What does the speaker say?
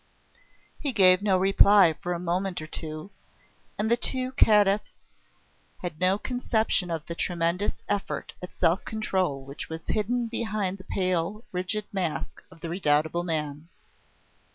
He gave no reply for a moment or two, and the two catiffs had no conception of the tremendous effort at self control which was hidden behind the pale, rigid mask of the redoubtable man.